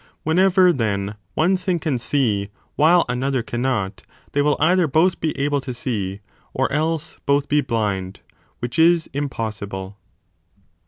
Whenever, then, one thing can see while another cannot, they will either both be able to see or else both be blind ; which is impossible.